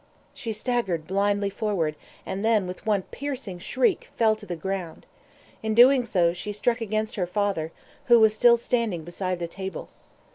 She staggered blindly forward, and then, with one piercing shriek, fell to the ground. In doing so, she struck against her father, who was still standing beside the table.